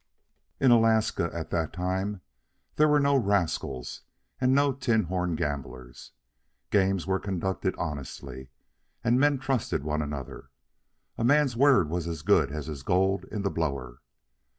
In Alaska, at that time, there were no rascals and no tin horn gamblers. Games were conducted honestly, and men trusted one another. A man's word was as good as his gold in the blower.